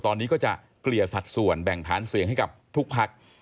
ตอนนี้ก็จะเกลี่ยสัดส่วนแบ่งฐานเสียงให้กับทุกพัก